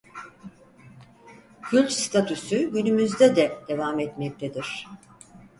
Kült statüsü günümüzde de devam etmektedir.